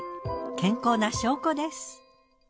健康な証拠です。